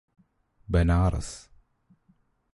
Banaras